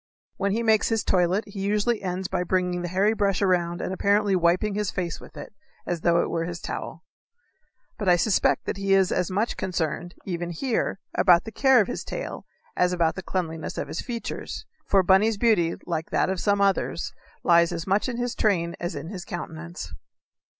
When he makes his toilet he usually ends by bringing the hairy brush around and apparently wiping his face with it, as though it were his towel. But I suspect that he is as much concerned, even here, about the care of his tail as about the cleanliness of his features, for Bunny's beauty, like that of some others, lies as much in his train as in his countenance.